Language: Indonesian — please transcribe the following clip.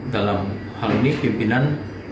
dalam hal ini pimpinan